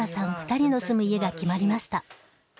２人の住む家が決まりました。